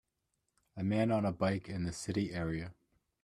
a man on a bike in the city area.